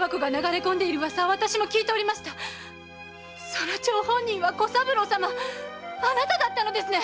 その張本人は小三郎様あなただったのですね！